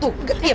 tuh diam diam